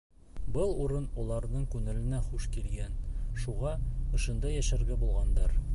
Был урын уларҙың күңеленә хуш килгән, шуға ошонда йәшәргә булғандар.